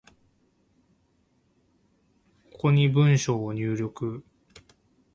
ここに文章を入力